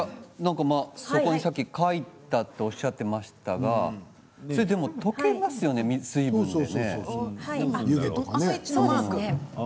そこにさっき描いたとおっしゃっていましたが溶けますよね、水分でね。